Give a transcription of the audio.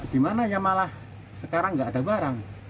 di mana yang malah sekarang tidak ada barang